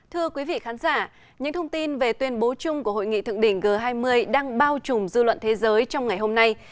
thưa quý vị khán giả những thông tin về tuyên bố chung của hội nghị thượng đỉnh g hai mươi đang bao trùm dư luận thế giới trong ngày hôm nay